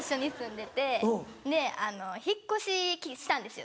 で引っ越ししたんですよ